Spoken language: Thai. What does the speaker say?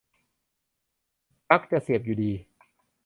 ปลั๊กจะเสียบอยู่ดี